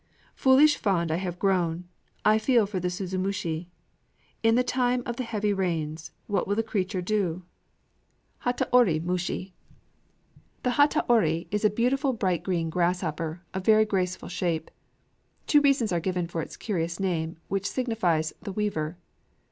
Foolish fond I have grown; I feel for the suzumushi! In the time of the heavy rains, what will the creature do? Hataori mushi. The hataori is a beautiful bright green grasshopper, of very graceful shape. Two reasons are given for its curious name, which signifies "the Weaver."